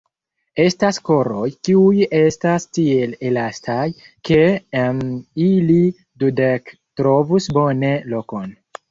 Estas koroj, kiuj estas tiel elastaj, ke en ili dudek trovus bone lokon!